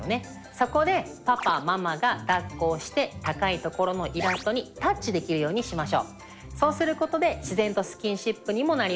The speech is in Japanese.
そこでパパ・ママがだっこをして高い所のイラストにタッチできるようにしましょう。